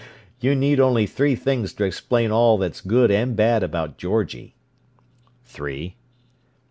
"You need only three things to explain all that's good and bad about Georgie." "Three?"